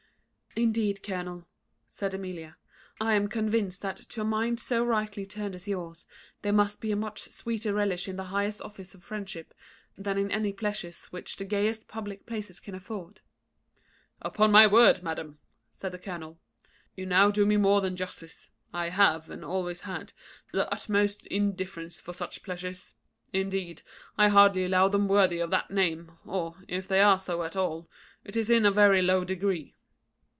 "Indeed, colonel," said Amelia, "I am convinced that to a mind so rightly turned as yours there must be a much sweeter relish in the highest offices of friendship than in any pleasures which the gayest public places can afford." "Upon my word, madam," said the colonel, "you now do me more than justice. I have, and always had, the utmost indifference for such pleasures. Indeed, I hardly allow them worthy of that name, or, if they are so at all, it is in a very low degree.